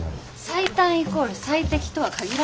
最短イコール最適とは限らないわ。